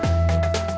saya juga ngantuk